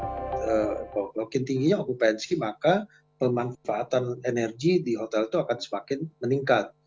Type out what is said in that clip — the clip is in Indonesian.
pada saat ini pergantian tinggi dan akupensi maka pemanfaatan energi di hotel itu akan semakin meningkat